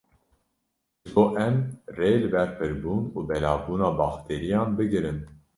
Ji bo em rê li ber pirbûn û belavbûna bakteriyan bigirin.